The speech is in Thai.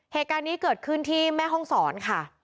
เหตุการณ์นี้เกิดขึ้นที่แม่ห้องศรค่ะ